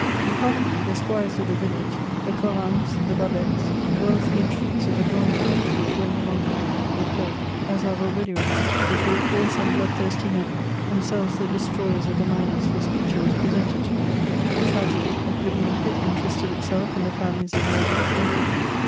In comedy, the squires of the village, the Colins, the Babets, or else the intrigues of the drawing rooms, which were no longer known, were played, as I have already remarked, before coarse and blood thirsty men, themselves the destroyers of the manners whose picture was presented to them; in tragedy, a plebeian pit interested itself in the families of nobles and kings.